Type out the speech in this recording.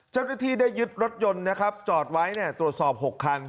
เจ้าหน้าที่ได้ยึดรถยนต์นะครับจอดไว้ตรวจสอบ๖คัน